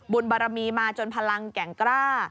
บารมีมาจนพลังแก่งกล้า